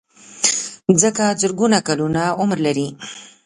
مځکه زرګونه کلونه عمر لري.